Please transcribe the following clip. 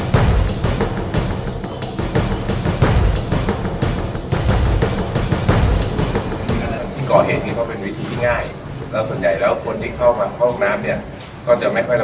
ที่ก่อเหตุนี้ก็เป็นเวทีที่ง่ายแล้วส่วนใหญ่แล้วคนที่เข้ามาเข้าห้องน้ำเนี่ยก็จะไม่ค่อย